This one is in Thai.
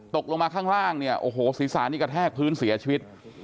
ตกลงมาข้างล่างเนี่ยโอ้โหศีรษะนี่กระแทกพื้นเสียชีวิต